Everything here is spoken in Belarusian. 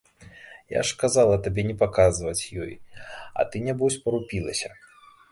Я ж казала табе не паказваць ёй, а ты нябось парупілася.